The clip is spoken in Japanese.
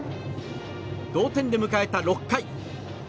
同点で迎えた６回。